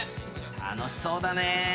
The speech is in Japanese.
楽しそうだね。